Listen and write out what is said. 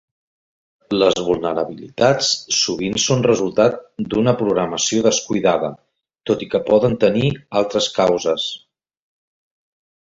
Les vulnerabilitats sovint són resultat d'una programació descuidada, tot i que poden tenir altres causes.